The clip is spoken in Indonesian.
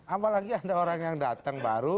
apalagi ada orang yang datang baru